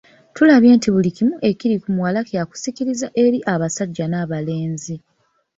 Tulabye nti buli kimu ekiri ku muwala kya kusikiriza eri abasajja n'abalenzi.